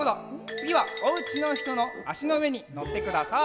つぎはおうちのひとのあしのうえにのってください。